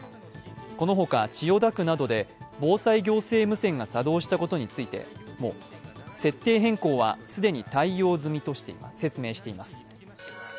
このほか千代田区などで防災行政無線が作動したことについても設定変更は既に対応済みと説明しています。